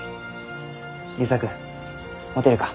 雄作持てるか？